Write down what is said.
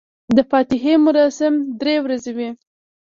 د فاتحې مراسم درې ورځې وي.